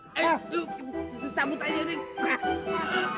kalau gak diam gue yang diam